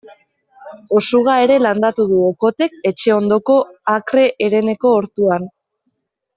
Osuga ere landatu du Okothek etxe ondoko akre hereneko ortuan.